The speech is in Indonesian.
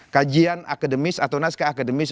kajian akademis atau naskah akademis